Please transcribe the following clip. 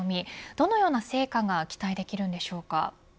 どのような成果が期待できるのでしょうか。